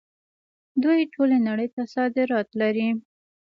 دوی ټولې نړۍ ته صادرات لري.